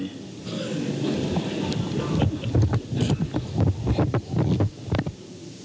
ครับ